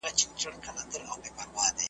که دغه مېنه د احمدشاه وای .